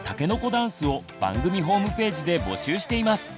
ダンスを番組ホームページで募集しています。